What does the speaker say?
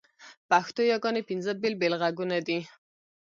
پښتو یاګاني پینځه بېل بېل ږغونه دي.